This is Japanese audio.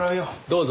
どうぞ。